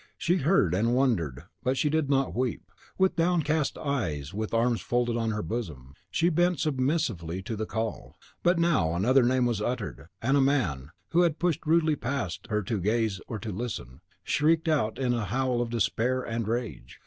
She heard, and wondered; but she did not weep. With downcast eyes, with arms folded on her bosom, she bent submissively to the call. But now another name was uttered; and a man, who had pushed rudely past her to gaze or to listen, shrieked out a howl of despair and rage.